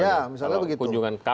ya misalnya begitu